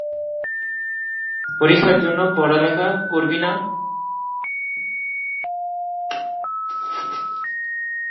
পরীক্ষার জন্য পড়ালেখা করবি না?